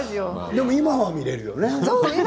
でも今は見られるよね。